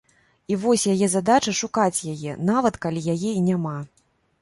І вось яе задача шукаць яе, нават калі яе і няма.